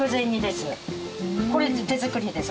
これ手作りです